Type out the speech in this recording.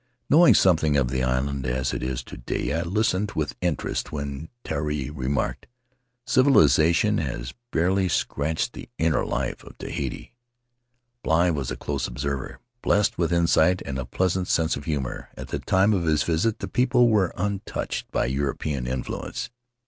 Knowing something of the island as it is to day, I had listened with interest when Tari remarked, "Civilization has barely scratched the inner life of Tahiti." Bligh was a close observer, blessed with insight and a pleasant sense of humor; at the time of his visit the people were untouched by European influence.